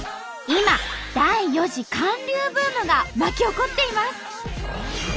今第４次韓流ブームが巻き起こっています。